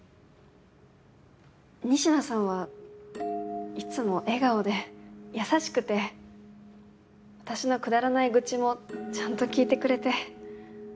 仁科さんはいつも笑顔で優しくて私のくだらない愚痴もちゃんと聞いてくれて。